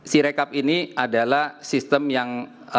si rekap ini adalah sistem yang